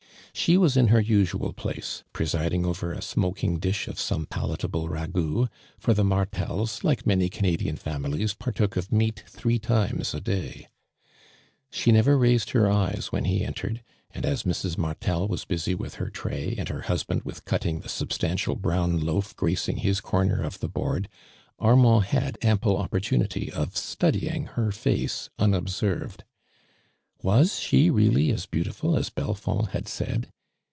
She was in her usual place, jiresiding over a smoking fUsh of some palatable raqouf, for the Martels, like many Canadian fami lies, partook of meat, three times a day. She never raised her eyes when he enter ed, and as Mrs. Martel was busy with her tray, and her husband with cutting the sub stantial brown loaf gracing his corner of the boardj Armand had ample opportunity of studymg her face unobserved. Was she really as beautiful as Belfond had said